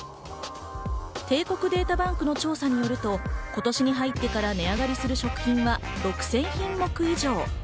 帝国データバンクの調査によると、今年に入ってから値上がりする食品は６０００品目以上。